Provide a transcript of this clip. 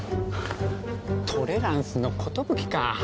トレランスの寿か。